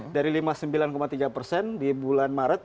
dari lima puluh sembilan tiga persen di bulan maret